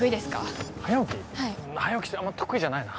早起きあんま得意じゃないな。